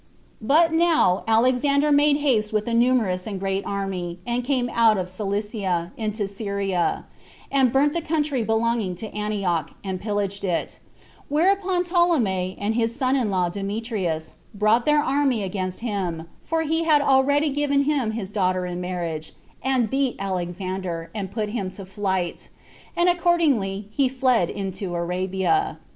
8. But now Alexander made haste with a numerous and great army, and came out of Cilicia into Syria, and burnt the country belonging to Antioch, and pillaged it; whereupon Ptolemy, and his son in law Demetrius, brought their army against him, [for he had already given him his daughter in marriage,] and beat Alexander, and put him to flight; and accordingly he fled into Arabia.